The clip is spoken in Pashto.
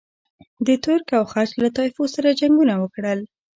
د ترک او خلج له طایفو سره جنګونه وکړل.